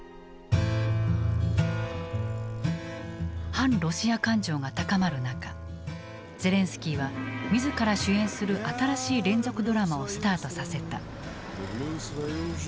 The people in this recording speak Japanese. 反ロシア感情が高まる中ゼレンスキーは自ら主演する新しい連続ドラマをスタートさせた。